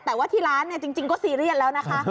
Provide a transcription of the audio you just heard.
แต่ว่าที่ร้านจริงก็ซีเรียสแล้วนะคะ